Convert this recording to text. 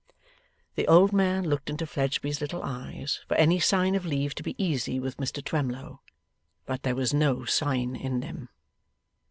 The old man looked into Fledgeby's little eyes for any sign of leave to be easy with Mr Twemlow; but there was no sign in them.